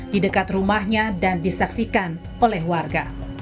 di dekat rumahnya dan disaksikan oleh warga